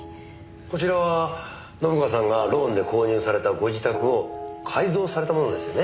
こちらは信川さんがローンで購入されたご自宅を改造されたものですよね？